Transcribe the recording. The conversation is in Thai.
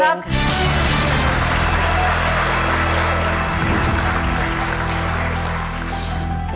เพลงครับ